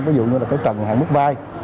ví dụ như trần hàng mức vây